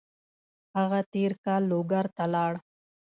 هغه تېر کال لوګر ته لاړ.